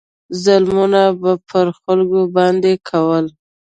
ظلمونه به پر خلکو باندې کول.